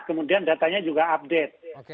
kemudian datanya juga update